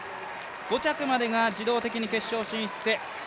５着までが自動的に決勝進出。